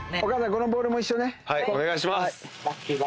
お願いします。